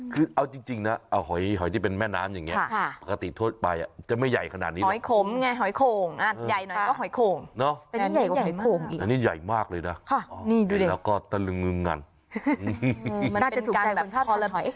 คืออย่างจริงน้ำที่เป็นแม่น้ำอย่างนี้ปกติทั่วไปจะไม่ใหญ่ขนาดนี้